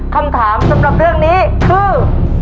คำถามสำหรับเรื่องนี้คือ